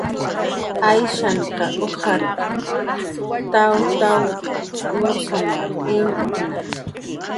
Ayshan ujarq tawm nursanw imktna